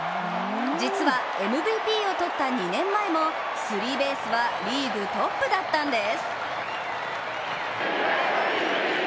実はＭＶＰをとった２年前もスリーベースはリーグトップだったんです。